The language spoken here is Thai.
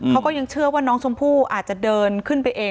เขาก็ยังเชื่อว่าน้องชมพู่อาจจะเดินขึ้นไปเอง